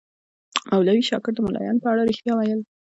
مولوي شاکر د ملایانو په اړه ریښتیا ویل.